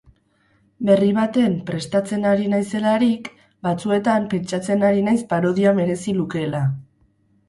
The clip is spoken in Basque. Berri baten prestatzen ari naizelarik, batzuetan pentsatzen ari naiz parodia merezi lukeela.